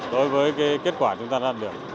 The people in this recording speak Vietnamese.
đối với cái kết quả chúng ta đạt được